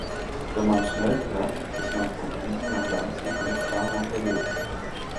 Wenn man schnell fährt, ist man von Emden nach Landshut nicht lange unterwegs